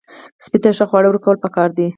سپي ته ښه خواړه ورکول پکار دي.